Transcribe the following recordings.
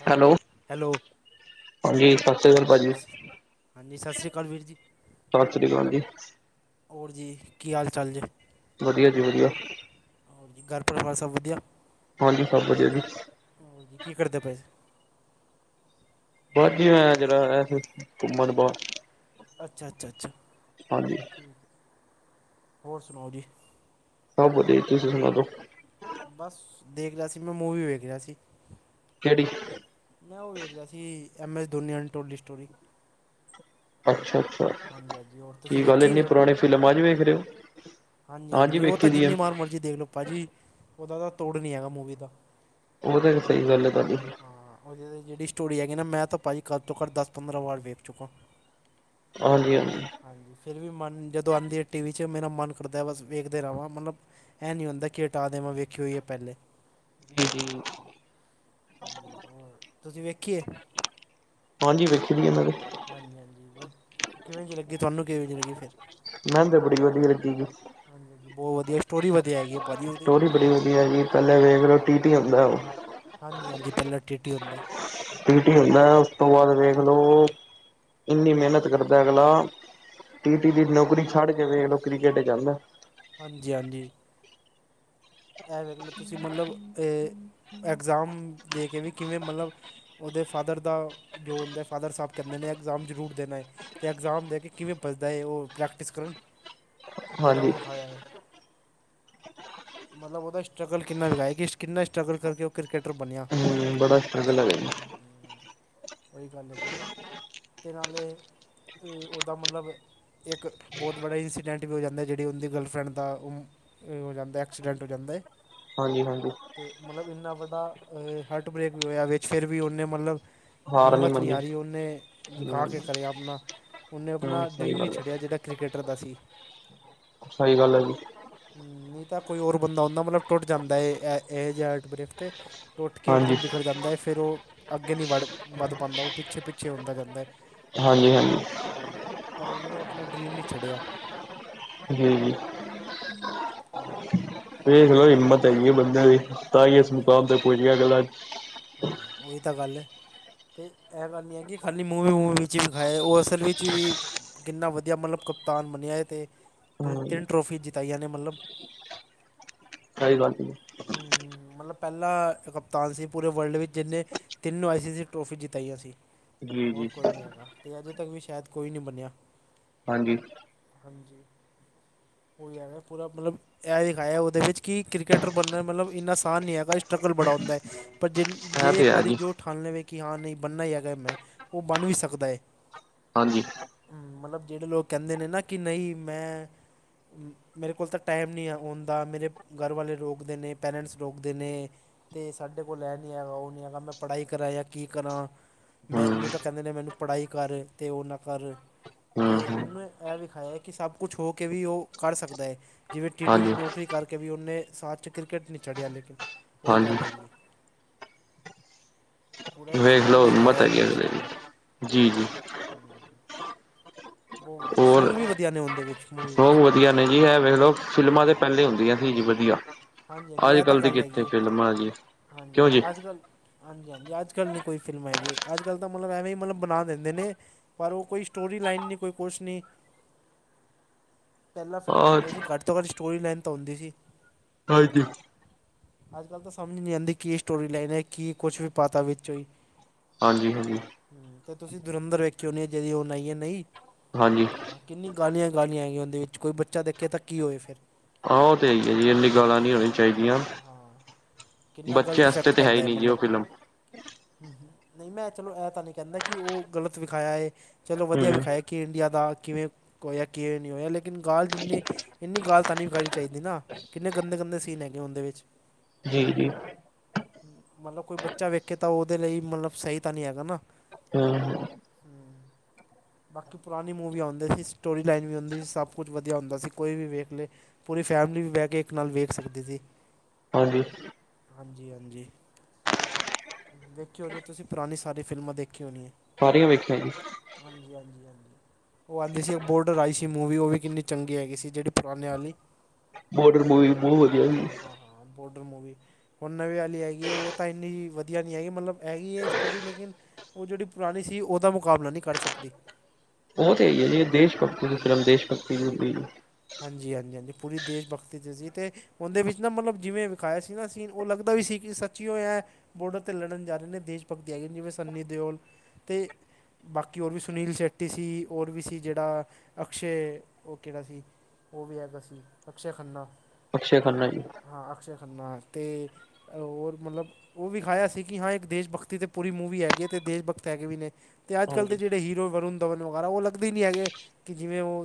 Hello, hello ਹਾਂਜੀ ਸਤਿ ਸ਼੍ਰੀ ਅਕਾਲ ਭਾਜੀ ਹਾਂਜੀ ਸਸ ਸੀ੍ ਕਾਲ ਵੀਰ ਜੀ। ਸਸ ਸ੍ਰੀ ਕਾਲ ਜੀ। ਹੋਰ ਜੀ, ਕੀ ਹਾਲ ਚਾਲ ਜੇ? ਵਧੀਆ ਜੀ ਵਧੀਆ। ਹੋਰ ਜੀ, ਘਰ ਪਰਿਵਾਰ ਸਬ ਵਧੀਆ? ਹਾਂਜੀ, ਸਬ ਵਧੀਆ ਜੀ। ਹੋਰ ਜੀ, ਕੀ ਕਰਦੇ ਪਏ ਸੀ? ਬਸ ਜੀ ਮੈਂ ਜਰਾ ਆ ਸੀ ਘੁੰਮਣ ਬਾਰ। ਅੱਛਾ-ਅੱਛਾ, ਅੱਛਾ ਹਾਂਜੀ ਠੀਕ ਹੈ, ਹੋਰ ਸੁਣਾਓ ਜੀ। ਸਬ ਵਧੀਆ ਜੀ ਤੁਸੀਂ ਸੁਣਾ ਦੋ। ਬਸ ਦੇਖ ਰਿਹਾ ਸੀ ਮੈਂ ਮੂਵੀ ਵੇਖ ਰਿਹਾ ਸੀ। ਕੋਹੜੀ? ਮੈਂ ਉਹ ਵੇਖ ਰਹੀਆ ਸੀ, ਐੱਮ ਐਸ ਧੋਨੀ ਆਲੀ ਟੋਲੀ ਸਟੋਰੀ। ਅੱਛਾ-ਅੱਛਾ ਹਾਂਜੀ ਹਾਂਜੀ ਹੋਰ ਤੁਸੀਂ ਕੀ ਗੱਲ ਵੇਖੀ ਇੰਨੀ ਪੁਰਾਣੀ ਫ਼ਿਲਮ ਅੱਜ ਵੇਖ ਰਹੇ ਹੋ? ਹਾਂਜੀ ਹਾਂਜੀ-ਹਾਂਜੀ ਉਹ ਵੇਖੀ ਤਾਂ ਦੀ ਹੈ ਜਿੰਨੀ ਮਾਰ ਮਰਜ਼ੀ ਦੇਖ ਲਓ ਭਾਅ ਜੀ, ਉਹਦਾ ਤਾਂ ਤੋੜ ਨੀ ਹੈਗਾ ਮੂਵੀ ਦਾ। ਉਹ ਤਾਂ ਸਹੀ ਗੱਲ ਹੈ ਤੁਹਾਡੀ। ਹਾਂ ਉਹ ਜਿਹੜੀ ਸਟੋਰੀ ਹੈਗੀ ਨਾ ਮੈਂ ਤਾਂ ਭਾਜੀ ਘੱਟ ਤੋਂ ਘੱਟ ਦਸ ਪੰਦਰਾਂ ਵਾਰ ਵੇਖ ਚੁੱਕਾ। ਹਾਂਜੀ-ਹਾਂਜੀ। ਹਾਂਜੀ ਫਿਰ ਵੀ ਮਨ ਜਦੋਂ ਆਂਦੀ ਹੈ ਟੀ ਵੀ ਚ ਮੇਰਾ ਮਨ ਕਰਦਾ ਬਸ ਵੇਖਦੇ ਰਹਵਾਂ ਮਤਲਬ, ਇਹ ਨੀ ਹੁੰਦਾ ਕਿ ਹਟਾ ਦੇਵਾਂ ਵੇਖੀ ਹੋਈ ਹੈ ਪਹਿਲੇ। ਜੀ-ਜੀ। ਹੋਰ ਤੁਸੀਂ ਵੇਖੀ ਏ? ਹਾਂਜੀ, ਵੇਖੀ ਦੀ ਆ ਮੈਂ ਵੀ। ਹਾਂਜੀ-ਹਾਂਜੀ ਵ ਕਿਵੇਂ ਜਿਹੀ ਲੱਗੀ ਤੁਹਾਨੂੰ ਕਿਵੇਂ ਜਿਹੀ ਲੱਗੀ ਫਿਰ? ਮੈਨ ਤੇ ਬੜੀ ਵਧੀਆ ਲੱਗੀ ਜੀ। ਹਜੀ ਬੋਹ ਵਧੀਆ, ਸਟੋਰੀ ਵਧੀਆ ਹੈਗੀ ਹੈ। ਭਾਅ ਜੀ ਉਹਦੀ ਸਟੋਰੀ ਬੜੀ ਵਧੀਆ ਹੈਗੀ ਏ ਪਹਿਲੇ ਵੇਖ ਰਹੇ ਟੀ-ਟੀ ਹੁੰਦਾ ਉਹ। ਹਾਂਜੀ-ਹਾਂਜੀ ਪਹਿਲੇ ਟੀ-ਟੀ ਹੁੰਦਾ। ਟੀ ਟੀ ਮਤਲਬ ਹੁੰਦਾ, ਉਸ ਤੋਂ ਬਾਦ ਹਾਂਜੀ ਵੇਖਲੋ ਇੰਨੀ ਮਿਹਨਤ ਕਰਦਾ ਅਗਲਾ, ਟੀਟੀ ਦੀ ਨੌਕਰੀ ਛੱਡ ਕੇ ਵੇਖ ਲੋ ਕ੍ਰਿਕਟ ਇਚ ਆਂਦਾ। ਹਾਂਜੀ-ਹਾਂਜੀ। ਐ ਵੇਖਲ ਤੁਸੀਂ ਮਲਬ ਏ ਐਗਜ਼ਾਮ ਦੇ ਕੇ ਵੀ ਕਿਵੇਂ ਮਲਬ ਉਹਦੇ ਫਾਦਰ ਦਾ ਜੋ ਹੁੰਦਾ ਫਾਦਰ ਸਾਹਿਬ ਕਹਿੰਦੇ ਨੇ ਇਗਜ਼ਾਮ ਜ਼ਰੂਰ ਦੇਣਾ ਏ। ਤੇ ਇਗਜ਼ਾਮ ਦੇ ਕੇ ਕਿਵੇਂ ਭੱਜਦਾ ਏ ਉਹ ਪ੍ਰੈਕਟਿਸ ਕਰਨ, ਜਿਹੜਾ ਹਾਂਜੀ ਉਹ ਵਿਖਾਇਆ ਹੈ। ਮਤਲਬ ਉਹਦਾ ਸਟਰਗਲ ਕਿੰਨਾ ਵਿਖਾਇਆ ਕਿ ਕਿੰਨਾ ਸਟਰਗਲ ਕਰਕੇ ਉਹ ਕ੍ਰਿਕਕੇਟਰ ਬਣਿਆ। ਬੜਾ ਸਟਰਗਲ ਹੈਗਾ। ਉਹੀ ਗੱਲ ਹੈਗੀ ਨਾ ਤੇ ਨਾਲੇ ਹੂੰ ਉਹਦਾ ਮਤਲਬ ਇੱਕ ਬੋਹਤ ਬੱੜਾ ਇੰਸੀਡੈਂਟ ਵੀ ਹੋ ਜਾਂਦਾ ਜਿਹੜੀ ਉਹਦੀ ਗਰਲਫਰੈਂਡ ਦਾ ਉਹ ਹੋ ਜਾਂਦਾ ਇੱਕ ਐਕਸੀਡੈਂਟ ਹੋ ਜਾਂਦਾ ਏ। ਹਾਂਜੀ-ਹਾਂਜੀ। ਮਲਬ ਇੰਨਾ ਵੱਡਾ ਹਾਰਟ ਬ੍ਰੇਕ ਵੀ ਹੋਇਆ ਵਿੱਚ ਫੇਰ ਵੀ ਉਹਨੇ ਮਲਬ ਹਾਰ ਹਿੰਮਤ ਨੀ ਮੰਨੀ ਹਾਰੀ ਉਹਨੇ ਹੂੰ ਦਿਖਾ ਕੇ ਕਰਿਆ ਆਪਣਾ। ਉਹਨੇ ਆਪਣਾ ਹੂੰ ਸਹੀ ਡਰੀਮ ਨੀ ਗੱਲ ਛੱਡਿਆ ਹੈ ਜਿਹੜਾ ਕ੍ਰਿਕਟਰ ਦਾ ਸੀ। ਸਹੀ ਗੱਲ ਹੈ ਜੀ। ਨਈ ਤਾਂ ਕੋਈ ਹੋਰ ਬੰਦਾ ਹੁੰਦਾ ਮਤਲਬ ਟੁੱਟ ਜਾਂਦਾ ਏ ਐ ਏਹੈ ਜੇ ਹਾਰਟ ਬ੍ਰਕ ਤੇ। ਟੁੱਟ ਕੇ ਹਾਂਜੀ ਇੱਕਦਮ ਬਿਖੜ ਜਾਂਦਾ ਏ ਫਿਰ ਓ ਅੱਗੇ ਨੀ ਵੜ ਵੱਧ ਪਾਂਦਾ ਓ ਪਿੱਛੇ-ਪਿੱਛੇ ਹੁੰਦਾ ਜਾਂਦਾ ਏ। ਹਾਂਜੀ ਹਾਂਜੀ ਹਾਂਜੀ ਪਰ ਉਨੇ ਆਪਣਾ ਡਰੀਮ ਨੀ ਛੱਡਿਆ। ਹੂੰ। ਹੂੰ। ਦੇਖਲੋ ਹਿੰਮਤ ਹੈਗੀ ਐ ਬੰਦਿਆਂ ਦੀ ਤਾਂ ਈ ਇਸ ਹਾਂਜੀ ਮੁਕਾਮ ਹਾਂਜੀ ਤੇ ਪੁੱਜ ਗਿਆ ਅਗਲਾ। ਹਾਂ, ਓਹੀ ਤਾਂ ਗੱਲ ਐ। ਤੇ ਐ ਗੱਲ ਨੀ ਐ ਕਿ ਖਾਲੀ ਮੂਵੀ-ਮੂਵੀ ਵਿੱਚ ਵੀਖਾਏ ਓ ਅਸਲ ਵਿੱਚ ਵੀ ਕਿੰਨਾ ਵਧੀਆ ਮਤਲਬ ਕਪਤਾਨ ਬਣਿਆ ਏ ਤੇ ਤ ਹੂੰ ਤਿੰਨ ਟਰੋਫੀ ਜਿਤਾਈਆਂ ਨੇ ਮਤਲਬ। ਸਈ ਗੱਲ [unintelligible] ਹੂੰ ਮਤਲਬ ਪੈਲਾਂ ਕਪਤਾਨ ਸੀ ਪੂਰੇ ਵਰਲਡ ਵਿੱਚ ਜਿੰਨੇ ਤਿਨੂੰ ਆਈ ਸੀ-ਸੀ ਟਰੋਫੀ ਜਿਤਾਈਆਂ ਸੀ। ਜੀ ਹੋਰ ਜੀ ਕੋਈ ਨੀ ਹੈਗਾ ਤੇ ਅਜੇ ਤੱਕ ਵੀ ਸ਼ੈਦ ਕੋਈ ਨੀ ਬਣਿਆ। ਹਾਂਜੀ। ਹਾਂਜੀ ਹੋ ਮੈਂ ਪੂਰਾ ਮਤਲਬ ਐ ਦਿਖਾਇਆ ਉਦੇ ਵਿੱਚ ਕੀ ਕ੍ਰਿਕਟ ਟਰ ਬਣਨਾ ਮਤਲਬ ਵੀ ਇਨ੍ਹਾਂ ਆਸਾਨ ਨੀ ਹੈਗਾ ਸਟਰਗਲ ਬੜਾ ਹੁੰਦਾ ਏ ਪਰ ਇਹ ਜੇ ਤੇ ਇਕ ਹੈ ਵਾਰੀ ਜੀ ਜੋ ਠਾਣ ਲਵੇ ਕਿ ਹਾਂ ਨਈ ਬਣਨਾ ਈ ਹੈਗਾ ਏ ਮੈਂ ਓ ਬਣ ਵੀ ਸਕਦੈ। ਹਾਂਜੀ। ਹੂੰ ਮਤਲਬ ਜੇੜੇ ਲੋਕ ਕੈਂਦੇ ਨੇ ਨਾ ਕੀ ਨਈ ਮੈਂ ਮੇਰੇ ਕੋਲ ਤਾਂ ਟਾਈਮ ਨੀ ਓ ਹੁੰਦਾ ਮੇਰੇ ਘਰ ਵਾਲੇ ਰੋ ਕਦੇ ਨੇ ਪੈਰੈਂਟਸ ਰੋਕਦੇ ਨੇ। ਤੇ ਸਾਡੇ ਕੋਲ ਐ ਨੀ ਹੈਗਾ ਓ ਨੀ ਹੈਗਾ ਮੈਂ ਪੜ੍ਹਾਈ ਕਰਾਂ ਜਾਂ ਕੀ ਕਰਾਂ ਹੂੰ ਮੈਨੂੰ ਤਾਂ ਕੈਂਦੇ ਨੇ ਮੈਨੂੰ ਪੜ੍ਹਾਈ ਕਰ ਤੇ ਓ ਨਾ ਕਰ। ਹੂੰ ਤੇ ਹੂੰ ਉਨੂੰ ਐ ਵਿਖਾਇਆ ਕੀ ਸਭ ਕੁਛ ਹੋ ਕੇ ਵੀ ਓ ਕਰ ਸਕਦਾ ਏ। ਜਿਵੇਂ ਟੀ-ਟੀ ਦੀ ਹਾਂਜੀ ਨੌਕਰੀ ਕਰਕੇ ਵੀ ਓਨੇ ਸਾਥ ਚ ਕ੍ਰਿਕਟ ਨੀ ਛੜ੍ਹਿਆ ਲੇਕਿਨ। ਓਹੀ ਹਾਂਜੀ ਗੱਲ ਹੈਗੀ ਐ। ਵੇਖ ਲਓ ਹਿੰਮਤ ਦਿਖਾਇਆ ਹੈਗੀ ਬੰਦੇ ਦਾ [unintelligible] ਜੀ-ਜੀ ਨ ਵਧੀਆ ਹੋਰ ਸੌਂਗ ਵੀ ਵਧੀਆ ਨੇ ਔਂਦੇ ਵਿੱਚ ਮੂਵੀ ਲੋਕ ਵਿੱਚ। ਵਧੀਆ ਨੇ ਜੀ ਐ ਵੇਖ ਹਾਂ ਲੋ ਫਿਲਮਾਂ ਤੇ ਪਹਿਲੇ ਹੁੰਦੀਆਂ ਸੀ ਜੀ ਵਧੀਆ। ਹਾਂਜੀ-ਹਾਂਜੀ ਐ ਤਾਂ ਅੱਜ-ਕੱਲ ਦੀ ਗੱਲ ਕਿੱਥੇ ਹੈਗੀ ਏ ਫਿਲਮਾਂ ਜੀ, ਹਾਂਜੀ ਕਿਉਂ ਜੀ? ਹਾਂ ਅੱਜ ਕੱਲ੍ਹ ਹਾਂਜੀ-ਹਾਂਜੀ ਅੱਜ ਕੱਲ ਨੀ ਕੋਈ ਫਿਲਮ ਹੈਗੀ ਅੱਜ ਕੱਲ ਤਾਂ ਮਤਲਬ ਐਵੇਂ ਈ ਮਤਲਬ ਬਣਾ ਦਿੰਦੇ ਨੇ ਪਰ ਓ ਕੋਈ ਸਟੋਰੀ ਲਾਈਨ ਨੀ ਕੋਈ ਕੁਛ ਨੀ। ਪੈਲਾਂ ਫਿਲਮ ਆ ਆਉਂਦੀਆਂ ਸੀ ਘੱਟ ਤੋਂ ਘੱਟ ਸਟੋਰੀ ਲੈਂਨਥ ਹੁੰਦੀ ਸੀ। ਹਾਂਜੀ। ਅੱਜ-ਕੱਲ ਤਾਂ ਸਮਝ ਨੀ ਆਉਂਦੀ ਕੀ ਸਟੋਰੀ ਲਾਈਨ ਹੈ ਕੀ ਕੁਛ ਵੀ ਪਤਾ ਵਿਚੋਂ ਈ। ਹਾਂਜੀ-ਹਾਂਜੀ ਹ ਤੇ ਤੁਸੀਂ ਦੁਰੰਧਰ ਵੇਖੇ ਹੋਣੀ ਆ ਜਿਦੀ ਹੁਣ ਆਈਐ ਨਈ। ਹਾਂਜੀ। ਹਾਂ ਕਿੰਨੀ ਗਾਲੀਆਂ-ਗਾਲੀਆਂ ਆਈਆਂ ਉਦੇ ਵਿੱਚ ਕੋਈ ਬੱਚਾ ਦੇਖੇ ਤਾਂ ਕੀ ਹੋਏ ਫਿਰ। ਹਾਂ ਓ ਤੇ ਹੈ ਈ ਐ ਜੀ [unintelligible] ਹਾਂ ਗਾਲਾਂ ਉਹੀ ਨੀ ਤਾਂ ਹੋਣੀ ਗੱਲ ਹੈ ਨਾ ਹਾਂ ਚਾਈਦੀਆਂ ਹਾਂ ਕਿੰਨਾ ਗਲਤ ਬੱਚਿਆਂ ਵਾਸਤੇ ਤਾਂ ਹੈ ਈ ਨੀ ਜੀ ਓ ਫਿਲਮ। ਹੂੰ-ਹੂੰ ਨਾਇਬਮੈਂ ਚਲੋ ਐ ਤਾਂ ਨੀ ਕੈਂਦਾ ਕੀ ਓ ਗ਼ਲਤ ਵਿਖਾਇਆ ਏ ਚਲੋ ਵਧੀਆ ਹੂੰ, ਵਿਖਾਏ ਕੀ ਇੰਡੀਆ ਦਾ ਕਿਵੇਂ ਹੋਇਆ ਕਿ ਨਈ ਹੋਇਆ ਲੇਕਿਨ ਗਾਲ ਜਿੰਨੀ ਇਨੀ ਗੱਲ ਤਾਂ ਨੀ [unintelligible] ਚਾਹੀਦੀ ਨਾ ਕਿੰਨੇ ਗੰਦੇ-ਗੰਦੇ ਸੀਨ ਹੈਗੇ ਔਂਦੇ ਵਿੱਚ ਕੋਈ ਗੱਲ ਜੀ-ਜੀ, ਨੀ ਮੱਲਬ ਕੋਈ ਬੱਚਾ ਵੇਖੇ ਤਾਂ ਉਹਦੇ ਲਈ ਮੱਲਬ ਸਹੀ ਤਾਂ ਨੀਂ ਹੈਗਾ ਨਾ। ਹਮ। ਹਮ। ਬਾਂਕੀ ਪੁਰਾਣੀਂ ਮੂਵੀ ਆਉਂਦੀ ਸੀਂ, ਸਟੋਰੀ ਲਾਈਨ ਵੀ ਆਉਂਦੀ ਸੀਂ, ਸਭ ਕੁੱਝ ਵਧੀਆਂ ਹੁੰਦਾਂ ਸੀਂ ਕੋਈ ਵੀ ਵੇਖ ਲਏ। ਪੂਰੀ ਫੈਮਿਲੀ ਵੀ ਬਹਿ ਕੇ ਇੱਕ ਨਾਲ਼ ਵੇਖ ਸਕਦੀ ਸੀਂ। ਹਾਂਜੀ। ਹਾਂਜੀ- ਹਾਂਜੀ। ਦੇਖਿਓ ਜੇ ਤੁਸੀਂ ਪੁਰਾਣੀਂ ਸਾਰੀ ਫ਼ਿਲਮਾਂ ਦੇਖੀਂ ਹੋਣੀਂ ਆ। ਸਾਰੀਆਂ ਵੇਖੀਆਂ ਜੀ। ਹਾਂਜੀ- ਹਾਂਜੀ, ਹਾਂਜੀ ਉਹ ਆਂਦੀ ਸੀਂ ਬੋਡਰ ਆਈਂ ਸੀਂ। ਮੂਵੀ ਉਹ ਵੀ ਕਿੰਨੀਂ ਚੰਗੀ ਹੈਗੀ ਸੀਂ, ਜਿਹੜੀ ਪੁਰਾਣੇਂ ਵਾਲ਼ੀ। ਬੋਡਰ ਮੂਵੀ। ਬਹੁਤ ਵਧੀਆ ਸੀ। ਹਾਂ- ਹਾਂ, ਹਾਂ ਬੋਡਰ ਮੂਵੀ। ਹੁਣ ਨਵੇਂ ਵਾਲ਼ੀ ਹੈਗੀ ਉਹ ਤਾਂ ਇੰਨੀਂ ਵਧੀਆਂ ਨੀਂ ਹੈਗੀ, ਮੱਤਲਬ ਹੈਗੀ ਏਂ ਸਟੋਰੀ ਲ਼ੇਕਿਨ। ਉਹ ਜਿਹੜੀ ਪੁਰਾਣੀਂ ਸੀਂ ਉਹਦਾ ਮੁਕ਼ਾਬਲਾ ਨੀਂ ਕਰ ਸਕਦੀ। ਉਹ ਤਾਂ ਹੈਂ ਹੀ ਏਂ ਜੀ ਦੇਸ਼ ਭਗਤੀ ਦੀ ਹਾਂਜੀ ਫ਼ਿਲਮ ਦੇਸ਼ ਹਾਂਜੀ ਭਗਤੀ ਦੀ ਉਹੀ ਹੁੰਦੀ ਉਹੀ ਏਂ। ਹਾਂਜੀ- ਹਾਂਜੀ, ਹਾਂਜੀ ਪੂਰੀ ਦੇਸ਼ ਭਗਤੀ ਦੀ ਸੀਂ ਤੇ। ਉਹਦੇ ਵਿੱਚ ਨਾ ਮੱਤਲਬ ਜਿਵੇਂ ਵਿਖਾਇਆ ਸੀਂ ਨਾ ਸੀਨ ਓ ਲੱਗਦਾ ਵੀ ਸੀਂ ਕਿ ਸੱਚੀਓ ਐਂ। ਬੋਰਡਰ ਤੇ ਲੜਨ ਜਾਂ ਰਹੇਂ ਨੇਂ ਦੇਸ਼ ਭਗਤੀ ਹੈਗੀ ਜਿਵੇਂ ਸੰਨੀ ਦਿਓਲ ਤੇ। ਬਾਕੀ ਹੋਰ ਵੀ ਸੁਨੀਲ ਸ਼ੇਟੀ ਸੀਂ ਔਰ ਵੀ ਸੀਂ ਜਿਹੜਾ ਅਕਸ਼ੇ ਓ ਕਿਹੜਾ ਸੀਂ। ਓਵੀ ਹੈਗਾ ਸੀਂ ਅਕਸ਼ੇ ਖੰਨਾਂ। ਅਕਸ਼ੇ ਤੇ ਖੰਨਾ ਜੀ। ਹਾਂ ਅਕਸੇ਼ ਖਨਾ ਤੇ ਹੋਰ ਮੱਲਬ। ਓ ਵਿਖਾਇਆ ਸੀਂ ਕਿ ਹਾਂ ਇਕ ਦੇਸ਼ ਭਗਤੀ ਤੇ ਪੂਰੀ ਮੂਵੀ ਹੈਗੀ ਐ, ਤੇ ਦੇਸ਼ ਭਗਤ ਹੈਗੇ ਵੀ ਨੇਂ ਅਤੇ ਅੱਜ਼ ਕੱਲ੍ਹ ਦੇ ਹਾਂਜੀ। ਜਿਹੜੇ ਹੀਰ। ਹੀਰੋ ਵਰੁਣ ਦਵਨ ਵਗ਼ੈਰਾ ਓ ਲੱਗਦੇ ਈ ਨੀਂ ਹੈਗੇ ਕਿ ਜਿਵੇਂ ਓ।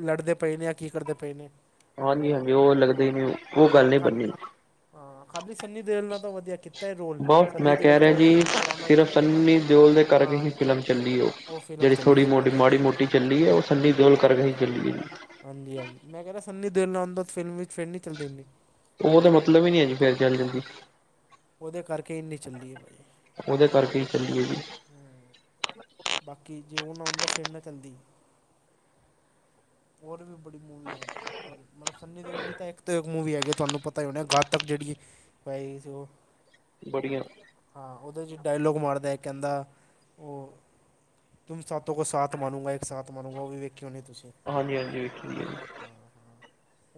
ਲੜਦੇ ਪਏ ਨੇਂ ਯਾ ਕੀ ਕਰਦੇਂ ਪਏ ਨੇਂ। ਹਾਂਜੀ -ਹਾਂਜੀ ਓ ਲੱਗਦੇ ਈ ਨੀਂ, ਓ ਗੱਲ਼ ਹਮ, ਨੀਂ ਖਾਲ ਬਨੀ। ਹਾਂ ਖਾਲੀ ਸੰਨੀ ਦਿਓਲ ਨਾ ਤੇ ਵਧੀਆਂ ਕੀਤਾਂ ਐਂ ਰੋਲ, ਬਹੁਤ ਸੰਨੀ ਮੈਂ ਦਿਓਲ ਕਹਿ ਤਾਂ ਰਿਹਾ ਓ ਜੀ ਪੁਰਾਣਾਂ ਹੀਰੋ ਸਿਰਫ ਹੈਗਾ ਨਾ। ਸੰਨੀ ਦਿਓਲ ਦੇ ਕਰਕੇ ਹੀ ਹਾਂ ਫਿਲਮ ਚੱਲੀਂ ਓ, ਉਹ ਫਿਲਮ ਜਿਹੜੀ ਚੱਲੀ ਥੋੜ੍ਹੀ ਹੈ ਮੋਟੀ ਬੋਰਡਰ ਮਾੜੀ ਟੂ ਮੋਟੀ ਚੱਲੀਂ ਏਂ ਓ ਸੰਨੀ ਦਿਓਲ ਕਰਕੇ ਹਾਂਜੀ ਹੀ ਚੱਲੀਂ। ਹਾਂਜੀ- ਹਾਂਜੀ ਮੈਂ ਕਹਿ ਰਿਹਾਂ ਸੰਨੀ ਦਿਓਲ ਨਾ ਹੁੰਦਾਂ ਫ਼ਿਲਮ ਵਿੱਚ ਫ਼ਿਰ ਨੀਂ ਚੱਲਦੀ ਏਨੀਂ। ਓ ਤੇ ਮੱਤਲਬ ਈ ਨੀ ਹੈਂ ਜੀ ਫ਼ੇਰ ਚੱਲ ਜਾਂਦੀ। ਓਦੇ ਕਰਕੇ ਏਨੀਂ ਚੱਲੀਂ ਏ ਬਾਈ। ਉਹਦੇ ਕਰਕੇ ਈ ਚੱਲੀਂ ਏਂ ਜੀ। ਬਾਂਕੀ ਜੇ ਓ ਨਾ ਹੁੰਦਾਂ ਫ਼ੇਰ ਨਾ ਚੱਲਦੀ, [unintelligible] ਬੜੀ ਮੂਵੀ ਐਂ, ਮਲਬ। ਸੰਨੀ ਦਿਓਲ ਦੀ ਤਾਂ ਇੱਕ ਤੇ ਮੂਵੀ ਹੈਗੀ ਤੁਹਾਂਨੂੰ ਪਤਾਂ ਈ ਹੋਨਾ ਐ ਗਾਤਕ ਜਿਹੜੀ ਹੈਗੀ ਸੀ ਓ। ਬੜੀਆਂ। ਹਾਂ, ਓਦੇ ਚ ਡਾਇਲੋਗ ਮਾਰਦਾ ਕਹਿੰਦਾਂ ਓ। ਤੁਮ ਸਾਤੋਂ ਕੋ ਸ਼ਾਂਤ ਮਾਰੂਂਗਾ ਏਕ ਸ਼ਾਂਤ ਮਾਰੂੰਗਾ। ਓ ਵੀ ਵੇਖੀਂ ਹੋਣੀਂ ਤੁਸੀਂ। ਹਾਂਜੀ- ਹਾਂਜੀ ਵੇਖੀਂ ਆ। ਹਾਂ -ਹਾਂ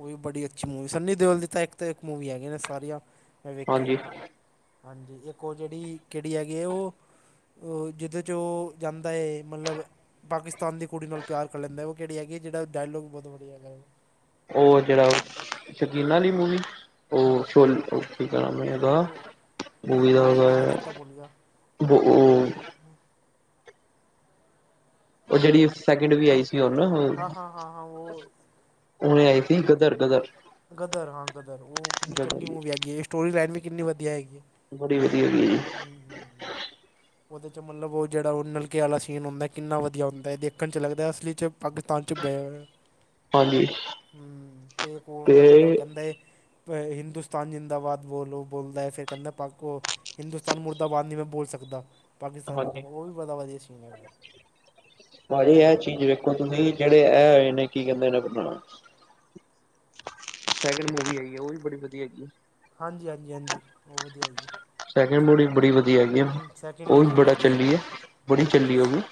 ਓਵੀ ਬੜੀ ਅੱਛੀ ਮੂਵੀ, ਸੰਨੀ ਦਿਓਲ ਦੀ ਤਾਂ ਇੱਕ ਤੋਂ ਇੱਕ ਮੂਵੀ ਹੈਗੀਆ ਨੇਂ ਸਾਰੀਆਂ। ਮੈਂ ਵੇਖੀ। ਹਾਂਜੀ ਹਾਂਜੀ, ਇੱਕ ਓ ਜਿਹੜੀ ਕਿਹੜੀ ਹੈਗੀ ਐਂ ਓ- ਓ ਜਿਹਦੇ ਚ ਓ। ਜਾਂਦਾ ਏਂ ਮੱਲਬ ਪਾਕਿਸਤਾਨ ਦੀ ਕੁੜੀ ਨਾਲ਼ ਪਿਆਰ ਕਰ ਲੈਂਦਾਂ ਏਂ ਓ। ਜਿਹੜੀ ਹੈਗੀ ਏਂ, ਜਿਹੜਾਂ ਡਾਇਲੋਗ ਬਹੁਤ ਵਧੀਆਂ ਹੈਗਾ ਏਂ। ਓ ਜਿਹੜਾਂ ਸ਼ਕੀਨਾ ਆਲ਼ੀ ਮੂਵੀ। ਓ ਹਾਂ ਸ਼ੋਲ, ਕੀ ਨਾਮੈ ਏਦਾ, ਉਹ ਮੂਵੀ ਦਾ ਮੈਂ ਵੀ ਓਦਾ ਨਾਂ ਐ ਚੇਤਾ ਭੁੱਲ ਗਿਆ ਬੋ ਓ ਉਹ ਓ ਜੇੜੀ ਸੈਕਿੰਡ ਵੀ ਓ, ਆਈ ਸੀ ਹੁਣ ਹਾਂ, ਹਾਂ, ਹਾਂ, ਹਾਂ ਓ ਹੁਣੇ ਆਈ ਸੀ ਗਦਰ ਗਦਰ ਗਦਰ ਹਾਂ ਗਦਰ, ਓ ਕਿੰਨੀ ਚੰਗੀ ਗਦਰ ਮੂਵੀ ਹੈਗੀ ਏ। ਸਟੋਰੀ ਲਾਈਨ, ਵੀ ਕਿੰਨੀ ਵਧੀਆ ਹੈਗੀ ਏ। ਬੜੀ ਵਧੀਆ, ਹੋਗੀ ਏ ਜੀ। ਓਦੇ ਚ ਮਲਬ ਓ ਜੇਹੜਾ ਓ ਨਲਕੇ ਵਾਲਾ ਸੀਨ ਹੁੰਦਾ, ਕਿੰਨਾ ਵਧੀਆ ਹੁੰਦਾ ਐ। ਦੇਖਣ 'ਚ ਲੱਗਦਾ, ਅਸਲੀ 'ਚ ਪਾਕਿਸਤਾਨ 'ਚ ਬੈ ਹੂੰ, ਹਾਂਜੀ ਤੇ ਏਕੋ ਹੁੰਦਾ, ਜੇੜਾ ਓ ਤੇ ਕੈਂਦਾ ਏ ਅ ਹਿੰਦੁਸਤਾਨ ਜ਼ਿੰਦਾਬਾਦ ਬੋਲੋ, ਬੋਲਦਾ ਏ, ਫੇਰ ਕਹਿੰਦਾ ਪਾਕ ਓ ਹਿੰਦੁਸਤਾਨ ਮੁੁਰਦਾਬਾਦ, ਨੀ ਮੈਂ ਬੋਲ ਸਕਦਾ। ਪਾਕਿਸਤਾਨ ਜਿਂਦਾ ਹਾਂਜੀ ਓ, ਵੀ ਬੜਾ ਵਧੀਆ ਸੀਨ ਏ। ਭਾਜੀ ਐ ਚੀਜ਼ ਵੇਖੋ ਤੁਸੀ, ਜੇੜੇ ਐ ਹੋਏ ਨੇ ਕੀ ਕਹਿੰਦੇ ਨੇ ਅਪਣਾ ਸੈਕਿੰਡ ਮੂਵੀ ਹੈਗੀ ਏ, ਓ ਵੀ ਬੜੀ ਵਧੀਆ ਹੈਗੀ ਏ। ਹਾਂਜੀ ਹਾਂਜੀ, ਹਾਂਜੀ, ਓ ਵਧੀਆ ਐਜੀ। ਸੈਕਿੰਡ ਮੂੜੀ ਬੜੀ ਵਧੀਆ ਹੈਗੀ ਐ, ਸੈਕਿੰਡ ਔ ਵੀ ਬਹੁਤ ਬੜਾ ਵਧੀਆ ਚੱਲੀ ਹੈਗੀ ਏ, ਬੜੀ ਹੂੰ ਚੱਲੀ ਓਵੀ।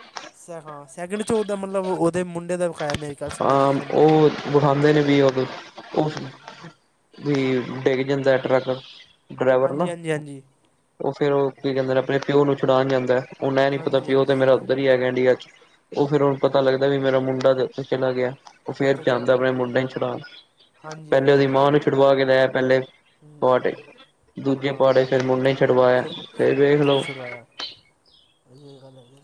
ਸੈ ਹਾਂ ਸੈਕਿੰਡ 'ਚ ਓਦਾ ਮਲਬ, ਓਦੇ ਮੁੰਡੇ ਦਾ ਵਿਖਾਇਆ ਮੇਰੀ ਖਯਾਲ, ਸੰਨੀ ਦੇਓਲ ਦੇ ਮੁੰਡੇ ਦਾ। ਵਖਾਂਦੇ ਨੇ ਵੀ ਓਦੇ, ਓ ਵੀ ਡਿੱਗ ਜਾਂਦਾ ਐ ਟਰੱਕ ਡਰਾਈਵਰ ਨਾ, ਹਾਂਜੀ ਹਾਂਜੀ ਹਾਂਜੀ ਓ ਫੇਰ ਓ ਕੀ ਕਹਿੰਦੇ ਨੇ, ਅਪਣੇ ਪਿਓ ਨੂੰ ਛੁੜਾਣ ਜਾਂਦਾ ਐ ਓਨ ਐ ਨੀ ਪਤਾ, ਵੀ ਹਾਂਜੀ ਪਿਓ ਤੇ ਹਾਂਜੀ ਮੇਰਾ ਹਾਂਜੀ ਔਧਰ ਈ ਹੈਗਾ ਐ ਇੰਡੀਆ 'ਚ। ਓ ਫੇਰ ਓ ਪਤਾ ਲੱਗਦਾ, ਵੀ ਮੇਰਾ ਮੁੰਡਾ ਤੇ ਚਲਾ ਗਿਆ, ਓ ਫੇਰ ਉੱਥੇ ਚਲਾ ਜਾਂਦਾ ਗਿਆ ਅਪਣੇ ਮੁੰਡੇ ਨੂੰ ਛੁੜਾਣ। ਹਾਂਜੀ ਪਹਿਲੇ ਓਦੀ ਹਾਂਜੀ ਮਾਂ ਨੂੰ ਛੁੜਵਾ ਕੇ ਲਿਆਯਾ, ਪਹਿਲੇ ਹੂੰ ਪਾਟੇ, ਹੂੰ ਦੂਜੇ ਹਾਂ ਹਾਂ ਪਾਟੇ 'ਚ ਹਾਂ ਫੇਰ ਮੁੰਡੇ ਨੂੰ ਛੁਡਵਾਇਆ, ਫਿਰ ਫੇਰ ਫਿਰ ਵੇਖ ਮੁੰਡੇ ਨੂੰ ਲਓ ਛੁਡਵਾਇਆ ਇਹ ਗੱਲ ਹੈਗੀ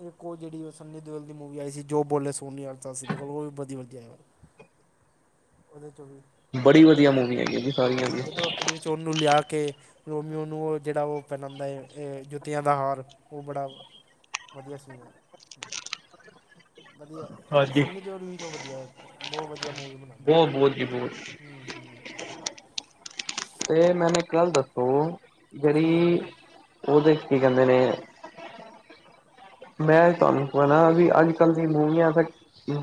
ਇਹ ੳ ਜਿਹੜੀ, ਉਹ ਸੰਨੀ ਦਿੳਲ ਦੀ ਮੂਵੀ ਆਈ ਸੀ, ਜੋ ਬੋਲੇ ਸੋ ਨੀ ਹਾਲ, ਸੱਸ ਸ਼੍ਰੀ ਆਕਾਲ, ਉਹ ਵੀ ਵਧੀਆ। [unintelligible] ਬੜੀ ਵਧੀਆ ਜਦ ਮੂਵੀ ਹੈਗੀ ਹੈ ਜੀ, ਸਾਰੀਆਂ ਹਾਂ ਦੀ। ਜਦੋਂ ਅਖੀਰ 'ਚ, ਉਨੂੰ ਲਿਆ ਕੇ ਰੋਮੀਓ ਨੂੰ, ਉਹ ਜਿਹੜਾ ਉਹ ਪਹਿਨਾਉਂਦਾ ਜੁੱਤੀਆਂ ਦਾ ਹਾਰ, ਉਹ ਬੜਾ ਵਧੀਆ ਸੀਨ ਹੈ। ਵਧੀਆ, ਹਾਂਜੀ ਸੰਨੀੇ ਦਿਓਲ ਵੀ ਵਧੀਆ ਹੈ, ਬਹੁਤ ਵਧੀਆ ਮੂਵੀ। ਬਣਾਉਂਦਾ ਪਰ ਬਹੁਤ ਬਹੁਤ ਜੀ, ਬਹੁਤ ਜ। ਹੂੰ ਹੂੰ [unintelligible] ਤੇ ਮੈਨੂੰ ਇੱਕ ਗੱਲ ਦੱਸੋ, ਹਾਂਜੀ ਜਿਹੜੀ ਹਾਂਜੀ ਉਹਦੇ 'ਚ ਕੀ ਕਹਿੰਦੇ ਨੇ ਮੈਂ ਤੁਹਾਨੂੰ ਕਹਿਣਾ, ਵੀ ਅੱਜ ਕੱਲ੍ਹ ਦੀ ਮੂਵੀਆਂ ਤਾਂ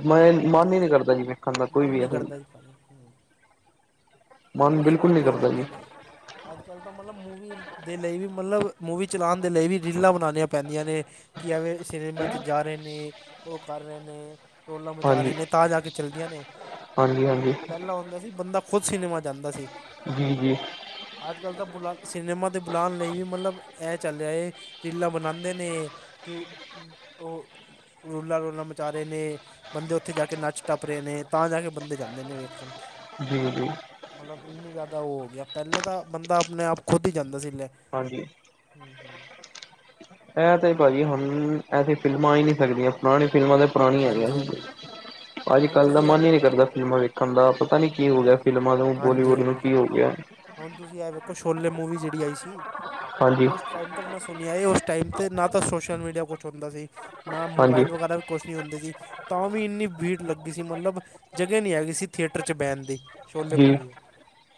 ਮੈਂ ਮਨ ਹੀ ਨੀ ਕਰਦਾ, ਜੀ ਵੇਖਣ ਦਾ ਕੋਈ ਵੀ ਅ ਮਣੇ ਹ ਮਨ ਬਿਲਕੁਲ ਨਹੀਂ ਕਰਦਾ ਜੀ ਜਾਂਦੀਆਂ ਨੇ ਅੱਜ ਕੱਲ੍ਹ ਤਾਂ ਮਤਲਬ, ਮੂਵੀ ਦੇ ਲਈ ਵੀ ਮਤਲਬ ਮੂਵੀ ਚਲਾਉਣ ਦੇ ਲਈ ਵੀ, ਰੀਲਾਂ ਬਣਾਉਣੀਆਂ ਪੈਂਦੀਆਂ ਨੇ ਕੀ ਅਵ ਸਨੀਮਾ 'ਚ ਜਾ ਰਹੇ ਨੇ, ਉਹ ਕਰ ਰਹੇ ਨੇ ਰੋਲਾਂ ਮਚਾ ਰਹੇ ਹਾਂਜੀ ਨੇ, ਤਾਂ ਜਾ ਕੇ ਚੱਲਦੀਆਂ ਨੇ, ਹਾਂਜੀ ਹਾਂਜੀ ਪਹਿਲਾਂ ਹੁੰਦਾ ਸੀ ਬੰਦਾ ਖੁਦ ਸਿਨੇਮਾ ਜਾਂਦਾ ਸੀ ਜੀ ਜੀ ਅੱਜ ਕੱਲ੍ਹ ਤਾਂ ਬੁਲਾ ਸਿਲਮਾ ਅਤੇ ਬੁਲਾਉਣ ਲਈ ਵੀ, ਮਤਲਬ ਇਹ ਚੱਲ ਰਿਆ ਹੈ ਰੀਲਾਂ ਬਣਾਉਂਦੇ ਨੇ, ਕਿ ਉਹ ਰੋਲਾ- ਰੁਲਾਾਂ ਮਚਾ ਰਹੇ ਨੇ ਬੰਦੇ ਉੱਥੇ ਜਾ ਕੇ ਨੱਚ ਟੱਪ ਰੇ ਨੇ ਤਾਂ ਜਾ ਕੇ ਬੰਦੇ ਜਾਂਦੇ ਨੇ ਵੇਖਣ ਜੀ ਜੀ ਮਲਬ ਏਨੇ ਜਾਦਾ ਓ ਓ ਗਿਆ ਪੈਲੇ ਤਾਂ ਬੰਦਾ ਆਪਣੇ ਆਪ ਖੁਦ ਹੀ ਜਾਂਦਾ ਸੀਲੇ ਹਾਂਜੀ। ਹੂੰ ਹੂੰ। ਐ ਤੇ ਭਾਜੀ ਹੁਣ ਐਸੀੇ ਫਿਲਮਾਂ ਆ ਈ ਨੂ ਸਕਦੀਆਂ। ਪੁਰਾਣੀ ਫਿਲਮਾਂ ਤਾਂ ਪੁਰਾਣੀਆਂ ਹੈਗੀਆਂ ਹਾਂਜੀ ਸੀ। [unintelligible] ਅੱਜ ਕੱਲ ਦਾ ਤੁਸੀਂ ਇਹ ਮਨ ਈ ਨੀ ਕਰਦਾ ਫਿਲਮਾਂ ਵੇਖਣ ਦਾ, ਪਤਾ ਨੀ ਕੀ ਹੋ ਗਿਆ ਹਾਂਜੀ ਫਿਲਮਾਂ ਨੂੰ ਹਾਂਜੀ ਬੋਲੀਵੁੱਡ ਨੂੰ ਹਾਂਜੀ ਕੀ ਹੋ ਗਿਆ। ਹੁਣ ਤੁਸੀਂ ਐ ਵੇਖੋ ਛੋਲੇ ਮੂਵੀ ਜੇੜੀ ਆਈ ਸੀ। ਹਾਂਜੀ ਓਸ ਟਾਈਮ ਤੱਕ ਮੈਂ ਸੁਣਿਆ ਏ, ਓਸ ਟਾਈਮ ਤੇ ਨਾ ਤਾਂ ਸੋਸ਼ਲ ਮੀਡੀਆ ਕੁਛ ਹੁੰਦਾ ਸੀ ਨਾ ਹਾਂਜੀ ਮੋਬਾਇਲ ਵਗੈਰਾ ਕੁਛ ਨਹੀਂ ਹੁੰਦੇ ਸੀ ਤਾਂ ਵੀ ਇੰਨੀ ਭੀੜ ਲੱਗੀ ਸੀ ਮਤਲਬ ਜਗ੍ਹਾ ਨਹੀਂ ਐਗੀ ਸੀ ਥੀਏਟਰ 'ਚ ਬੈਣ ਦੀ। ਛੋਲੇ ਜੀ ਮੂਵੀ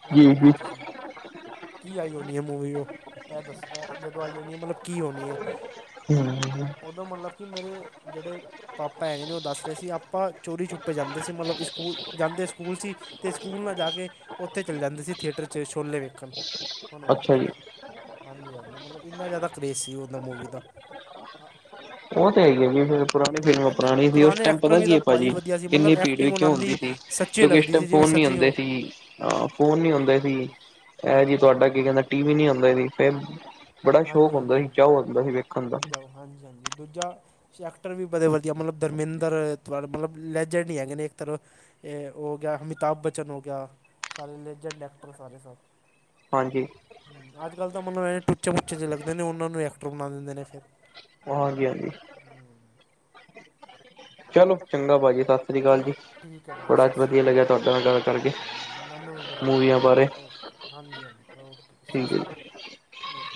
ਹੁਣ ਜੀ ਵੇਖੋ ਜੀ ਤੁਸੀਂ ਕੀ ਆਈ ਹੋਣੀ ਐ ਮੂਵੀ ਓ। ਐ ਦੱਸ ਐ ਜਦੋਂ ਆਈ ਹੋਣੀ ਮਲਬ ਕੀ ਹੋਣੀ ਏ। ਹੂੰਅ ਹੂੰਅ। ਓਦੋਂ ਮਲਬ ਕਿ ਮੇਰੇ ਜੇੜੇ ਪਾਪਾ ਹੈਗੇ ਨੇ ਓ ਦੱਸ ਰੇ ਸੀ ਆਪਾਂ ਚੋਰੀ ਛਪੇ ਜਾਂਦੇ ਸੀ। ਮਲਬ ਸਕੂਲ, ਜਾਂਦੇ ਸਕੂਲ ਸੀ ਤੇ ਸਕੂਲ ਨਾ ਜਾ ਕੇ ਓਥੇ ਚਲੇ ਜਾਂਦੇ ਸੀ ਥੇਟਰ ਤੇ ਛੋਲੇ ਵੇਖਣ। ਹੁਣ ਵੇਖੋ ਅੱਛਾ ਜੀ। ਤੁਸੀਂ ਹਾਂਜੀ ਹਾਂਜੀ ਮਲਬ ਏਨਾ ਜਾਦਾ ਕਰੇਜ ਸੀ ਓਂਦਾ ਮੂਵੀ ਦਾ ਓ ਤੇ ਹੈ ਈ ਏ ਜੀ ਫੇਰ ਪੁਰਾਣੀ ਫਿਲਮਾਂ ਪਹਿਲੇ ਪੁਰਾਣੀ ਸੀ। ਓਸ ਪੁਰਾਣੇ ਟੈਮ ਐਕਟਰ ਪਤਾ ਵੀ ਕੀ ਤਾਂ ਏ ਭਾਜੀ ਵਧੀਆ ਸੀ ਮਤਲਬ ਇੰਨੀ ਭੀੜ ਵੀ ਐਕਟਿੰਗ ਉਹਨਾਂ ਕਿਉਂ ਹੁੰਦੀ ਦੀ ਸੀ। ਸੱਚੀ ਕਿਉਂਕਿ ਇਸ ਲੱਗਦੀ ਟੈਮ ਸੀ ਜਿਵੇਂ ਫੋਨ ਨੀ ਸੱਚੀ ਹੁੰਦੇ ਹੋ ਸੀ। ਹਾਂ ਫੋਨ ਨੀ ਹੁੰਦੇ ਸੀ, ਐ ਹਾਂਜੀ ਜੀ ਹਾਂਜੀ ਤੁਆਡਾ ਕੀ ਕੈਂਦਾ ਟੀ ਵੀ ਨੀ ਹੁੰਦੇ ਸੀ। ਫੇਰ ਬੜਾ ਹਾਂਜੀ ਸ਼ੌਕ ਹਾਂਜੀ ਹੁੰਦਾ ਸੀ, ਹਾਂਜੀ ਚਾਓ ਹੁੰਦਾ ਸੀ ਵੇਖਣ ਦਾ। ਜਾਓ ਹਾਂਜੀ ਹਾਂਜੀ ਦੂਜਾ 'ਚ ਐਕਟਰ ਵੀ ਬੜੇ ਵਧੀਆ ਮਲਬ ਧਰਮਿੰਦਰ ਮਲਬ ਲੈਜੈਂਡ ਈ ਹੈਗੇ ਨੇ। ਇੱਕ ਤਰਾਂ ਏ ਓ ਗਿਆ ਅਮਿਤਾਭ ਬੱਚਨ ਓ ਗਿਆ, ਸਾਰੇ ਲੇਜੈਂਡ ਐਕਟਰ ਸਾਰੇ ਸਭ ਹਾਂਜੀ ਹਮ ਅੱਜ ਕੱਲ੍ਹ ਤਾਂ ਮੈਂਨੂੰ ਐ ਟੂਚੇ ਮੁਚੇ ਜੇ ਲੱਗਦੇ ਨੇ, ਓਨਾਂ ਨੂੰ ਐਕਟਰ ਬਣਾ ਦਿੰਦੇ ਨੇ ਫੇਰ। ਹਾਂਜੀ ਹਾਂਜੀ ਚਲੋ ਚੰਗਾ ਭਾਜੀ ਸਸ ਸਸਰੀ ਕਾਲ ਚਲੋ ਜੀ ਠੀਕ ਹੈ ਭਾਈ ਬੜਾ ਸਤਿ ਸ਼੍ਰੀ ਵਧੀਆ ਅਕਾਲ ਲੱਗਿਆ ਤੁਆਡੇ ਨਾਲ ਗੱਲ ਕਰਕੇ, ਹਾਂਜੀ ਹਾਂਜੀ ਮੈਨੂੰ ਵੀ ਬੜਾ ਵਧੀਆ ਮੂਵੀਆਂ ਬਾਰੇ। ਲੱਗਾ ਓਕੇ ਹਾਂਜੀ ਹਾਂ ਓਕੇ ਠੀਕ ਹੈ ਜੀ। ਸਾਸਰੀਕਾਲ।